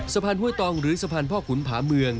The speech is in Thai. ห้วยตองหรือสะพานพ่อขุนผาเมือง